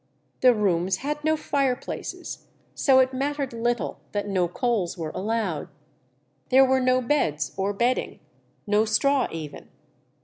The rooms had no fireplaces, so it mattered little that no coals were allowed. There were no beds or bedding, no straw even.